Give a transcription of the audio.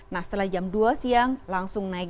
nah setelah jam dua siang langsung naik